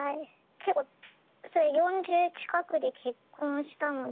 結構４０近くで結婚したので。